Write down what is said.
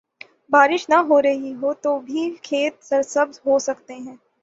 بارش نہ ہو رہی ہو تو بھی کھیت سرسبز ہو سکتے ہیں۔